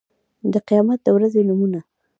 د قيامت د ورځې نومونه